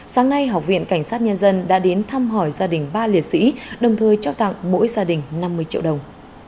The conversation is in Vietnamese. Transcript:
sáng nay học viện cảnh sát nhân dân đã đến thăm hỏi gia đình ba liệt sĩ đồng thời cho tặng mỗi gia đình năm mươi triệu đồng